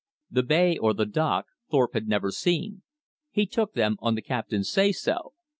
The bay or the dock Thorpe had never seen. He took them on the captain's say so.